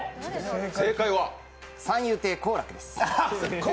三遊亭好楽です。